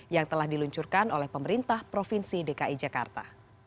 yang telah diluncurkan oleh pemerintah provinsi dki jakarta